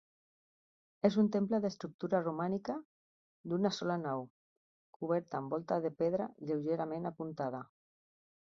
És un temple d'estructura romànica, d'una sola nau, coberta amb volta de pedra lleugerament apuntada.